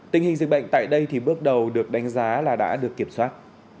tình hình dịch bệnh tại đây thì bước đầu được đánh giá là đã được kiểm soát